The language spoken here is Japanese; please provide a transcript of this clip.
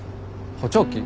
補聴器？